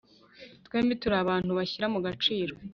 twembi turi abantu bashyira mu gaciro